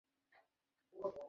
আমাকে মিস করছিলে?